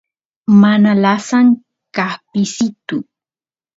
mana lasan kaspisitu